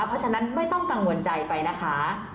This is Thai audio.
เพราะฉะนั้นไม่ต้องกังวลใจไปนะคะ